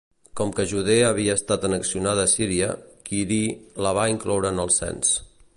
Com que Judea havia estat annexionada a Síria, Quirí la va incloure en el cens.